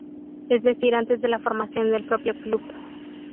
Es decir antes de la formación del propio club.